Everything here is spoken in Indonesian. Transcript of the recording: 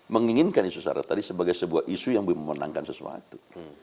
menginginkan isu sara tadi sebagai sebuah isu yang memenangkan sesuatu